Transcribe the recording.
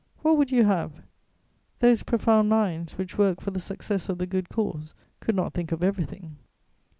What would you have? Those profound minds, which worked for the success of the good cause, could not think of everything.